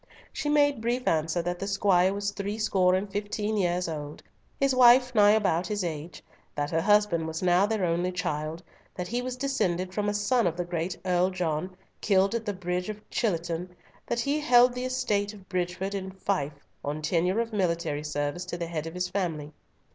She made brief answer that the squire was threescore and fifteen years old, his wife nigh about his age; that her husband was now their only child; that he was descended from a son of the great Earl John, killed at the Bridge of Chatillon, that he held the estate of Bridgefield in fief on tenure of military service to the head of his family.